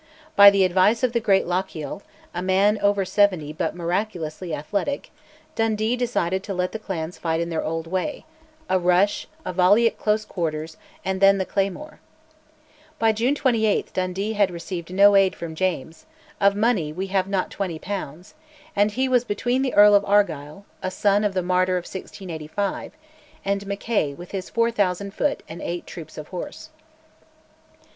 By the advice of the great Lochiel, a man over seventy but miraculously athletic, Dundee decided to let the clans fight in their old way, a rush, a volley at close quarters, and then the claymore. By June 28 Dundee had received no aid from James, of money "we have not twenty pounds"; and he was between the Earl of Argyll (son of the martyr of 1685) and Mackay with his 4000 foot and eight troops of horse.